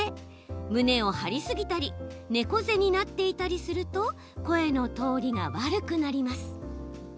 胸を張りすぎたり猫背になっていたりすると声の通りが悪くなります。